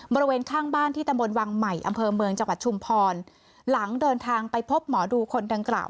บริเวณข้างบ้านที่ตำบลวังใหม่อำเภอเมืองจังหวัดชุมพรหลังเดินทางไปพบหมอดูคนดังกล่าว